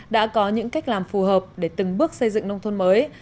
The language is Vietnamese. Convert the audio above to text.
đã có những cách làm phù hợp để từng bước xây dựng nông thôn mới